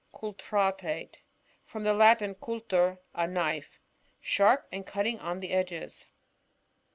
Cultrate. — From the Latin, euUer, a knife. Sharp and cutting on the edges.